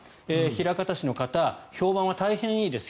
枚方市の方評判は大変いいです。